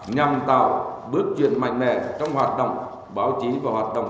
nhằm tạo ra những kết quả đạt được